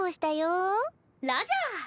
ラジャー！